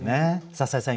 篠井さん